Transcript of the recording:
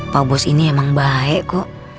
pak bos ini emang baik kok